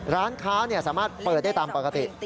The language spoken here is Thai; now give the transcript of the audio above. ร้านค้าสามารถเปิดได้ตามปกติ